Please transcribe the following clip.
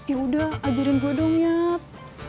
yaudah ajarin gue dong yap